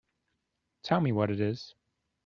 Tell me what it is.